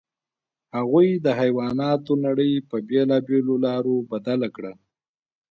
هغوی د حیواناتو نړۍ په بېلابېلو لارو بدل کړه.